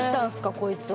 こいつは。